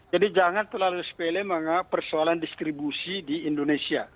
jadi jangan terlalu sepele menganggap persoalan distribusi di indonesia